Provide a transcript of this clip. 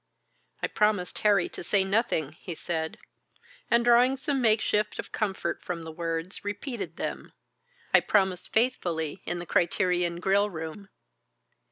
"I promised Harry to say nothing," he said; and drawing some makeshift of comfort from the words, repeated them, "I promised faithfully in the Criterion grill room."